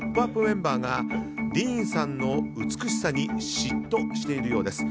メンバーがディーンさんの美しさに嫉妬しているようです。